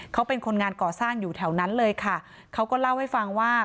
เขาเป็นคนงานก่อสร้างอยู่แถวนั้นเลยค่ะเขาก็เล่าให้ฟังว่า